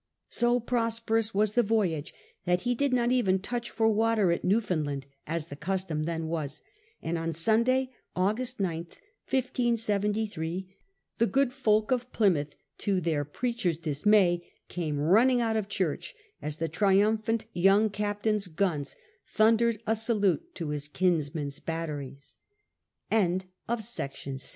So prosperous was the voyage that he did not even touch for water at New foundland, as the custom then was; and on Sunday, August 9th, 1573, the good folk of Plymouth, to their preacher's dismay, came running out of church as the triumphant young captain's guns thundered a salute to his kinsm